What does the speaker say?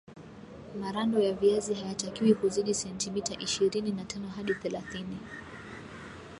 marando ya viazi hayatakiwi kuzidi sentimita ishirini na tano hadi thelathini